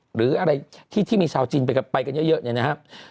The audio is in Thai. หรืออะไรที่มีชาวจีนไปกันเยอะเนี่ยนะครับ